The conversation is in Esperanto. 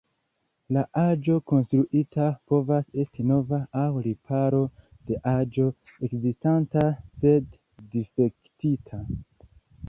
La aĵo konstruita povas esti nova aŭ riparo de aĵo ekzistanta sed difektita.